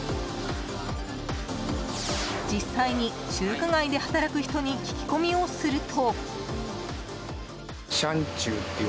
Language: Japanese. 実際に中華街で働く人に聞き込みをすると。